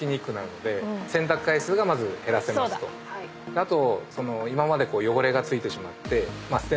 あと。